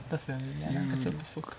いや何かちょっとそうか。